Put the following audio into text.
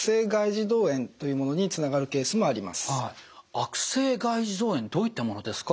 悪性外耳道炎どういったものですか？